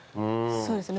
そうですね。